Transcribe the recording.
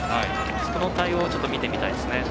その対応を見てみたいですね。